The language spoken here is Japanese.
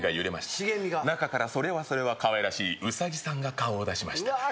茂みが中からそれはそれはかわいらしいウサギさんが顔を出しましたわあ